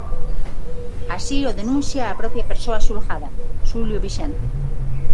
Así o denuncia a propia persoa xulgada, Xulio Vicente.